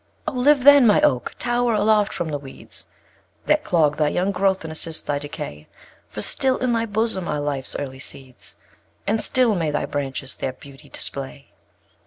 6. Oh, live then, my Oak! tow'r aloft from the weeds, That clog thy young growth, and assist thy decay, For still in thy bosom are Life's early seeds, And still may thy branches their beauty display.